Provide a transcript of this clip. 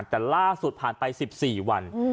แต่ล่าสุดผ่านไป๑๔วัน